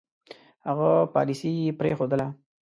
هغه پالیسي پرېښودله.